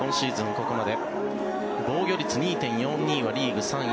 ここまで防御率２．４２はリーグ３位。